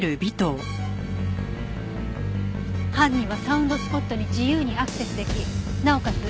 犯人はサウンドスポットに自由にアクセスできなおかつ